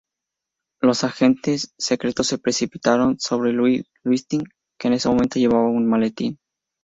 Los agentes secretos se precipitaron sobre Lustig, que en ese momento llevaba un maletín.